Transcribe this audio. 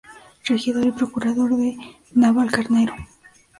Regidor y procurador de Navalcarnero.